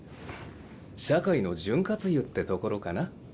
社会の潤滑油ってところかな。